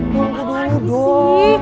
tolong ke dulu dong